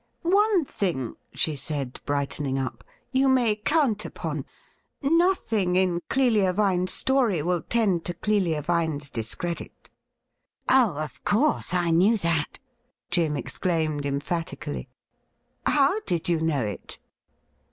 ' One thing,' she said, brightening up, ' j'ou may count upon — nothing in Clelia Vine's story will tend to Clelia Vine's discredit.' ' Oh, of course, I knew that,' Jim exclaimed emphatically. ' How did you know it